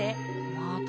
また？